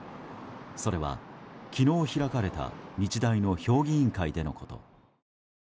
それは昨日開かれた日大の評議員会でのこと。